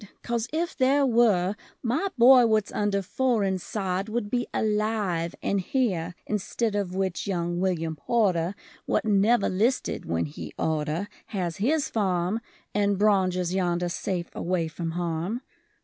Coz if there were My boy what's under foreign sod Would be alive, and here: Instead of which young William Porter What never listed when he orter Has his farm; And braunges yonder safe away from harm.